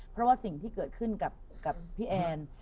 เพราะว่าสิ่งที่เกิดขึ้นกับพี่แอน